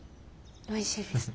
おいしいです。